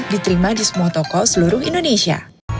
diterima di semua toko seluruh indonesia